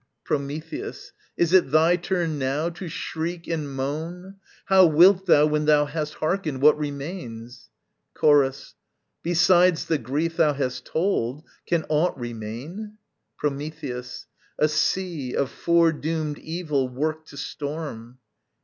Prometheus. Is 't thy turn, now, to shriek and moan? How wilt thou, when thou hast hearkened what remains? Chorus. Besides the grief thou hast told can aught remain? Prometheus. A sea of foredoomed evil worked to storm.